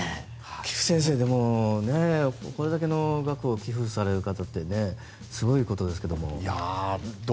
菊地先生、これだけの額を寄付される方ってすごいことですけれども。